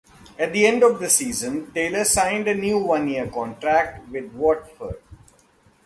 At the end of the season, Taylor signed a new one-year contract with Watford.